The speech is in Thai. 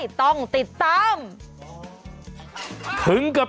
สวัสดีครับสวัสดีครับ